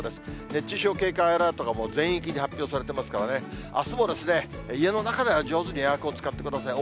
熱中症警戒アラートがもう全域に発表されてますからね、あすも家の中では上手にエアコン使ってください。